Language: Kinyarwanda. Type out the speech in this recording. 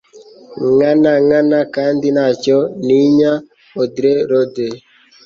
nkana nkana kandi ntacyo ntinya. - audre lorde